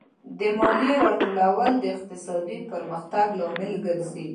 د مالیې راټولول د اقتصادي پرمختګ لامل دی.